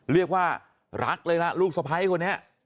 เรียกว่ารักเลยล่ะลูกสะพ้ายคนนี้